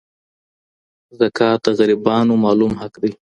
زکات د غریبانو معلوم حق دی.